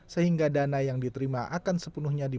sehingga dana yang diterima akan sepenuhnya